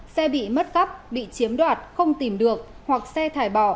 xe bị mất cắp bị chiếm đoạt không tìm được hoặc xe thải bỏ